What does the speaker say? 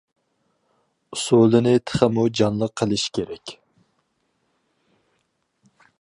ئۇسۇلنى تېخىمۇ جانلىق قىلىش كېرەك.